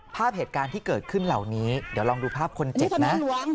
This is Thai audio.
ภาพเหตุการณ์ที่เกิดขึ้นเหล่านี้เดี๋ยวลองดูภาพคนเจ็บนะ